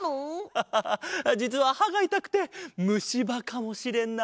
アハハじつははがいたくてむしばかもしれない。